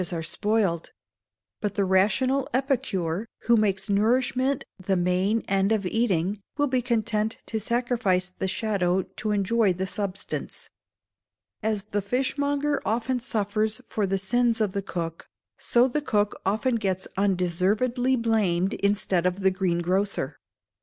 To preserve or give colour in cookery many good dishes are spoiled; but the rational epicure, who makes nourishment the main end of eating, will be content to sacrifice the shadow to enjoy the substance. As the fishmonger often suffers for the sins of the cook, so the cook often gets undeservedly blamed instead of the greengrocer.